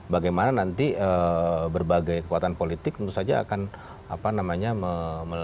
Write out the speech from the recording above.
bagaimana nanti berbagai kekuatan politik tentu saja akan apa namanya melihat kembali ya ru